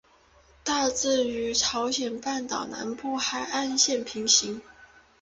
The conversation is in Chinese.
大致与朝鲜半岛南部海岸线平行。